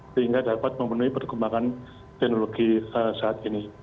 sehingga dapat memenuhi perkembangan teknologi saat ini